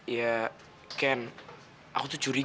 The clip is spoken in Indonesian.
ya ken aku tuh curiga